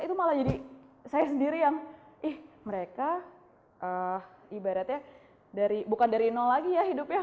itu malah jadi saya sendiri yang ih mereka ibaratnya bukan dari nol lagi ya hidup ya